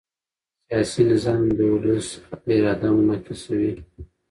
سیاسي نظام د ولس اراده منعکسوي